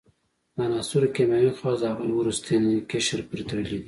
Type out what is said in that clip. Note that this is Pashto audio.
د عناصرو کیمیاوي خواص د هغوي وروستي قشر پورې تړلی دی.